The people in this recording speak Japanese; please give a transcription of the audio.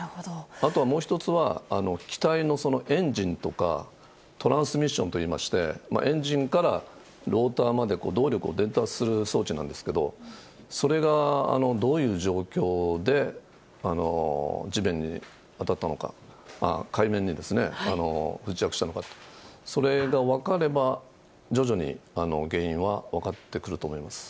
あと、もう１つは機体のエンジンとか、トランスミッションといいまして、エンジンからローターまで動力を伝達する装置なんですけど、それがどういう状況で地面に当たったのか、海面に不時着したのかと、それが分かれば、徐々に原因は分かってくると思います。